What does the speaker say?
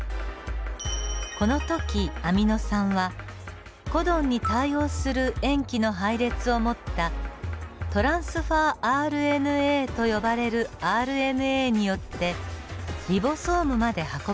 この時アミノ酸はコドンに対応する塩基の配列を持ったｔＲＮＡと呼ばれるＲＮＡによってリボソームまで運ばれています。